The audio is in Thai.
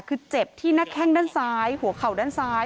คือเจ็บที่แค่นโคด้านซ้ายหัวเข่าด้านซ้าย